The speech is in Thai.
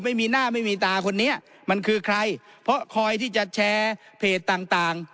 ไม่มีหน้าไม่มีตาคนนี้มันคือใครเพราะคอยที่จะแชร์เพจต่างต่าง